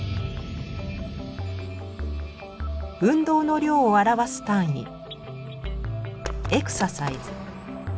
運動の量を表す単位エクササイズ。